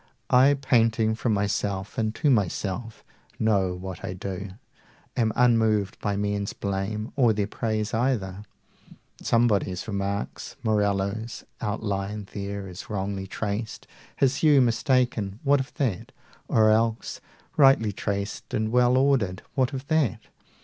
I, painting from myself and to myself, 90 Know what I do, am unmoved by men's blame Or their praise either. Somebody remarks Morello's outline there is wrongly traced, His hue mistaken; what of that? or else, Rightly traced and well ordered; what of that?